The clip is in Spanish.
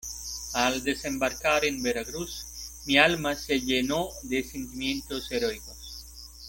al desembarcar en Veracruz, mi alma se llenó de sentimientos heroicos.